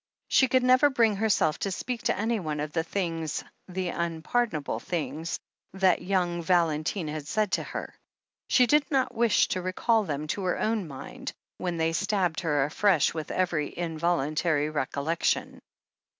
She could never bring herself to speak to anyone of the things, the unpardonable things, that young Val entine had said to her. She did not wish to recall them to her own mind, when they stabbed her afresh with every involuntary recollection.